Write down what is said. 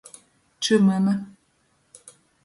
Čymyni.